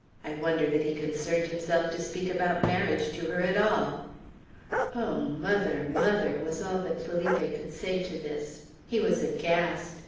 I wonder that he concerned himself to speak about marriage to her at all." "Oh, mother! mother!" was all that Felipe could say to this. He was aghast.